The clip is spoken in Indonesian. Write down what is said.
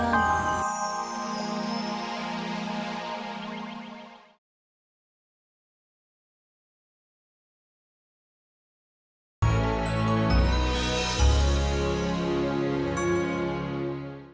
sampai jumpa lagi